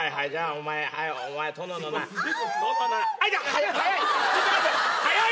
お前早い！